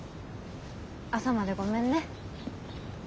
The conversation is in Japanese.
朝までごめんね。